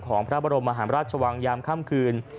ของพระบรมมหาราชวังยามค่ำคืน